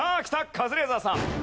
カズレーザーさん。